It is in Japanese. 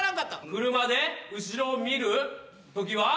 車で後ろを見るときは？